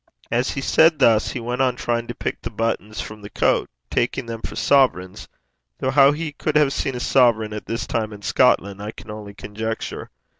As he said thus, he went on trying to pick the buttons from the coat, taking them for sovereigns, though how he could have seen a sovereign at that time in Scotland I can only conjecture.